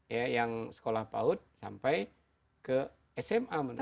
ya yang sekolah paut sampai ke sma menurut saya